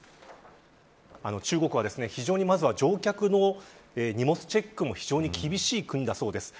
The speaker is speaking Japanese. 中国は非常に乗客の荷物チェックが厳しい国だそうです。